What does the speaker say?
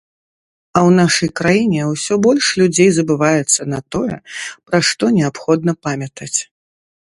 А ў нашай краіне ўсё больш людзей забываецца на тое, пра што неабходна памятаць!